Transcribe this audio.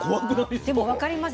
でも分かります。